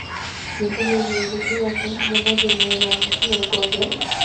Mifugo iliyorundikwa sehemu moja inaweza ambukizana ugonjwa